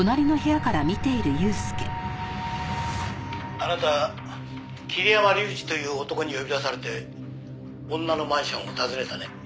「あなた桐山竜二という男に呼び出されて女のマンションを訪ねたね？」